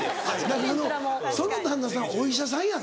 中野その旦那さんお医者さんやろ。